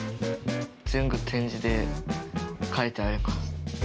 全部点字で書いてあります。